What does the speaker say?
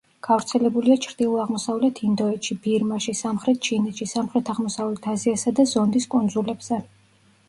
გავრცელებულია ჩრდილო-აღმოსავლეთ ინდოეთში, ბირმაში, სამხრეთ ჩინეთში, სამხრეთ-აღმოსავლეთ აზიასა და ზონდის კუნძულებზე.